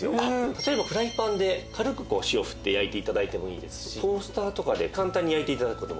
例えばフライパンで軽く塩振って焼いて頂いてもいいですしトースターとかで簡単に焼いて頂く事も。